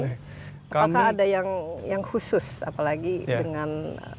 apakah ada yang khusus apalagi dengan